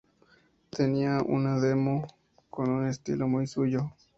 Tenía una demo con un estilo muy suyo.